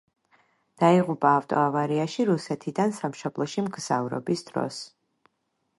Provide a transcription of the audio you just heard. დაიღუპა ავტოავარიაში რუსეთიდან სამშობლოში მგზავრობის დროს.